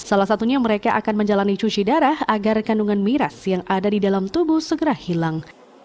salah satunya mereka akan menjalani cuci darah agar kandungan miras yang ada di dalam tubuh segera hilang